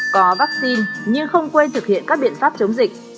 có vaccine nhưng không quên thực hiện các biện pháp chống dịch